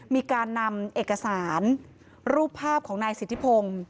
มีการนำเอกสารรูปภาพของนายสิทธิพงศ์